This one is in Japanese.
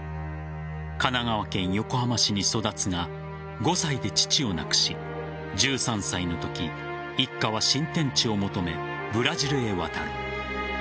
神奈川県横浜市に育つが５歳で父を亡くし１３歳のとき一家は新天地を求めブラジルへ渡る。